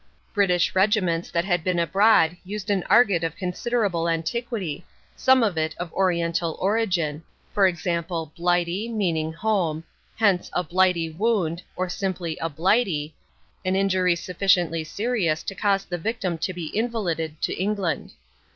British regiments which had been abroad used an argot of considerable antiquity, some of it of Oriental origin (e.g. "blighty," meaning "home": hence "a blighty wound," or simply "a blighty," an injury sufficiently serious to cause the victim to be invalided to England).